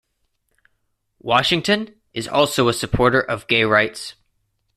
Washington is also a supporter of gay rights.